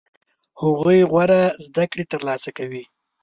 هغوی غوره زده کړې ترلاسه کوي.